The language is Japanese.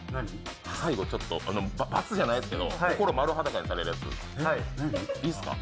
最後ちょっと罰じゃないですけど心、丸裸にされるやつ、いいですか？